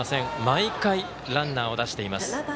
毎回、ランナーを出しています。